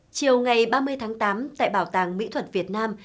chiều ngày ba mươi tháng tám tại bảo tàng mỹ thuật việt nam